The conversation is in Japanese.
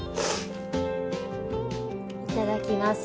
いただきます。